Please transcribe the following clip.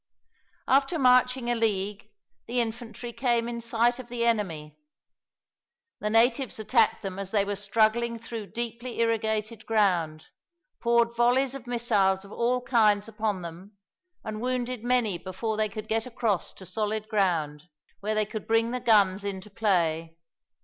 After marching a league, the infantry came in sight of the enemy. The natives attacked them as they were struggling through deeply irrigated ground, poured volleys of missiles of all kinds upon them, and wounded many before they could get across to solid ground, where they could bring the guns into play.